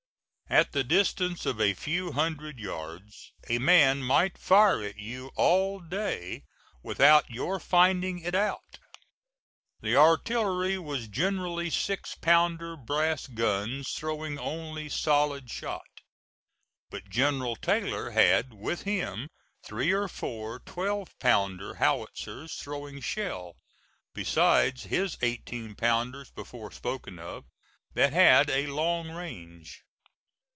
At the distance of a few hundred yards a man might fire at you all day without your finding it out. The artillery was generally six pounder brass guns throwing only solid shot; but General Taylor had with him three or four twelve pounder howitzers throwing shell, besides his eighteen pounders before spoken of, that had a long range.